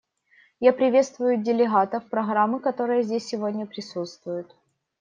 Я приветствую делегатов программы, которые здесь сегодня присутствуют.